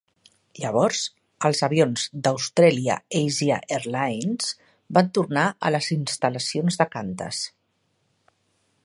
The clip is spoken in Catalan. Llavors, els avions d'Australia Asia Airline van tornar a les instal·lacions de Qantas.